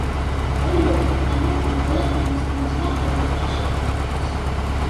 ორივე ქვეყანამ პირველად უმასპინძლა ევროპის ჩემპიონატს.